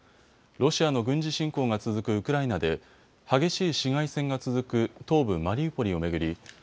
ロシアの軍事侵攻が続くウクライナで激しい市街戦が続く東部マリウポリを巡り